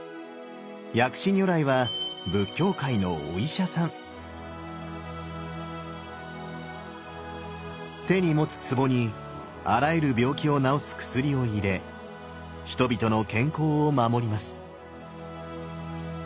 薬師如来は手に持つ壺にあらゆる病気を治す薬を入れ人々の健康を守ります。